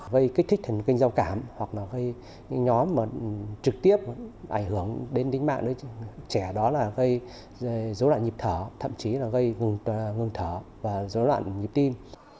gây kích thích thần kinh giao cảm hoặc là gây những nhóm trực tiếp ảnh hưởng đến tính mạng trẻ đó là gây dối loạn nhịp thở thậm chí là gây ngừng thở và dối loạn nhịp tim